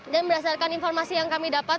dan berdasarkan informasi yang kami dapat